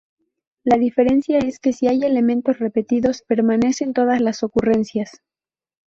La diferencia es que si hay elementos repetidos permanecen todas las ocurrencias.